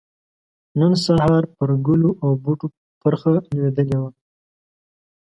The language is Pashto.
نن سحار پر ګلو او بوټو پرخه لوېدلې وه